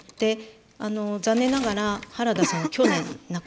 残念ながら原田さんは去年亡くなったんですね。